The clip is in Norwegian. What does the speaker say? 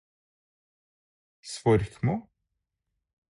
Svorkmo